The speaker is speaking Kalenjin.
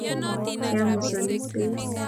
kiam mosonik beek